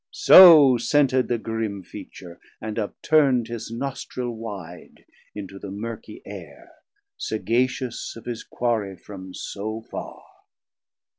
So sented the grim Feature, and upturn'd His Nostril wide into the murkie Air, 280 Sagacious of his Quarrey from so farr.